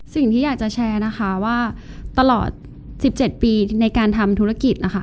สิ่งที่อยากจะแชร์นะคะว่าตลอด๑๗ปีในการทำธุรกิจนะคะ